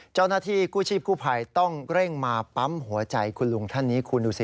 เจ้าหน้าที่กู้ชีพกู้ภัยต้องเร่งมาปั๊มหัวใจคุณลุงท่านนี้คุณดูสิ